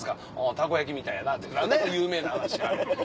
「たこ焼きみたいやな」ってのがね有名な話があって。